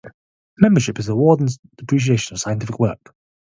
Membership is an award and appreciation of scientific work.